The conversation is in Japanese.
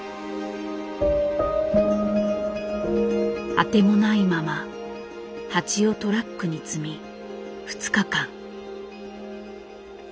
当てもないまま蜂をトラックに積み２日間。